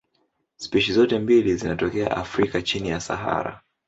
Spishi zote mbili zinatokea Afrika chini ya Sahara.